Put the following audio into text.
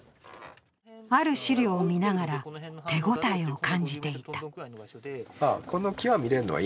ある資料を見ながら手応えを感じていた。